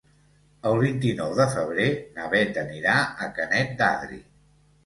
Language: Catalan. El vint-i-nou de febrer na Beth anirà a Canet d'Adri.